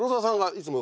いつも。